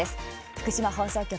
福島放送局